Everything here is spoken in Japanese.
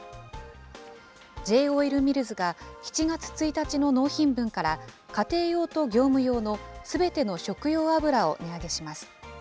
Ｊ−オイルミルズが、７月１日の納品分から、家庭用と業務用のすべての食用油を値上げします。